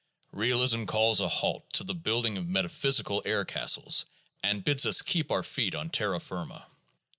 Realism calls a halt to the building of metaphysical air castles, and bids us keep our feet on terra firma.